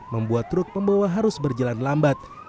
membuat truk pembawa harus berjalan lambat